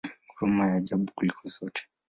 Huruma ya ajabu kuliko zote!